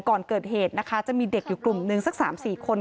ก่อนเกิดเหตุนะคะจะมีเด็กอยู่กลุ่มหนึ่งสัก๓๔คน